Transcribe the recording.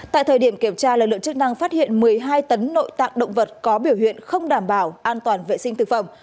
tại thời điểm kiểm tra lực lượng chức năng phát hiện một mươi hai tấn nội tạng động vật có biểu hiện không đảm bảo an toàn vệ sinh thực phẩm